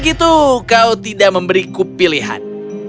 begitu kau tidak memberiku pilihan